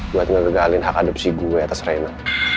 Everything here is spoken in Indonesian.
buat ngegagalin hak adepsi gue atas rena